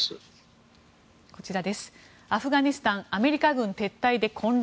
アフガニスタンアメリカ軍撤退で混乱。